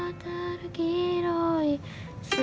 「黄色い砂」？